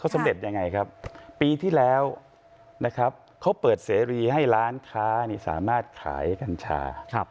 สำเร็จยังไงครับปีที่แล้วนะครับเขาเปิดเสรีให้ร้านค้าสามารถขายกัญชา